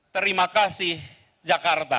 terima kasih jakarta